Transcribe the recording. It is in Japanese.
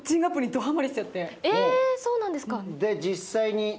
えそうなんですか？